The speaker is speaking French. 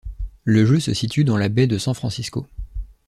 Le jeu se situe dans la Baie de San Francisco.